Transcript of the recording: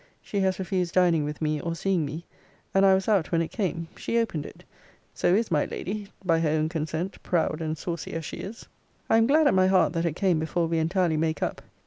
She has refused dining with me, or seeing me: and I was out when it came. She opened it: so is my lady by her own consent, proud and saucy as she is. I am glad at my heart that it came before we entirely make up.